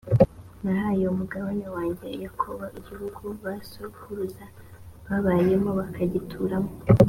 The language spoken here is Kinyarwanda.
nahaye umugaragu wanjye yakobo igihugu ba sokuruza babayemo bakagituramo